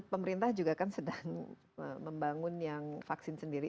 pemerintah juga kan sedang membangun yang vaksin sendiri